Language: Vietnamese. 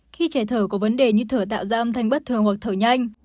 khi trẻ thở có vấn đề như thở tạo ra âm thanh bất thường hoặc thở nhanh